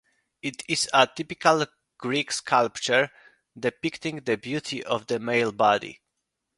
It is a typical Greek sculpture depicting the beauty of the male body.